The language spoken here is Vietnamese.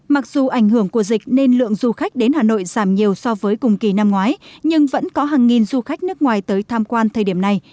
mặc dù ảnh hưởng của dịch nên lượng du khách đến hà nội giảm nhiều so với cùng kỳ năm ngoái nhưng vẫn có hàng nghìn du khách nước ngoài tới tham quan thời điểm này